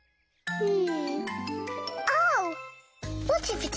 うん！